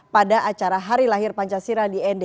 pada acara hari lahir pancasila di nd